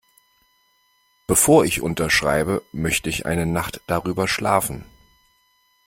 Bevor ich unterschreibe, möchte ich eine Nacht darüber schlafen.